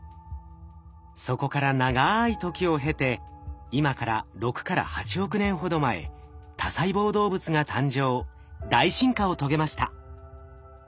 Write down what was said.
そこから長い時を経て今から６から８億年ほど前多細胞動物が誕生大進化を遂げました。